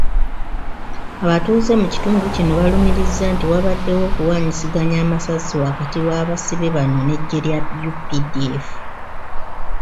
Abatuuze mu kitundu kino balumiriza nti, wabaddewo okuwanyisiganya amasasi wakati w'abasibe bano n'eggye lya UPDF.